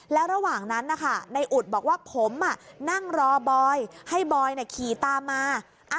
แล้วระหว่างนั้นนะคะในอุดบอกว่าผมนั่งรอบอยให้บอยขี่ตามมา